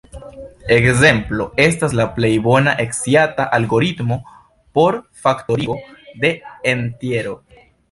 Ekzemplo estas la plej bona sciata algoritmo por faktorigo de entjero.